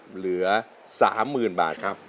เหลือสามหมื่นบาทครับ